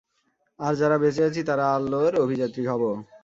আর যারা বেঁচে আছি তারা আলোর অভিযাত্রী হব।